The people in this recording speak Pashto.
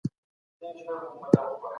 په دفترونو کي باید له خلګو سره ښه وسي.